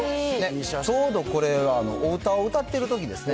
ちょうどこれはお歌を歌っているときですね。